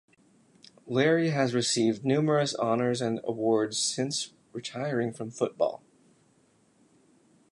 Lary has received numerous honors and awards since retiring from football.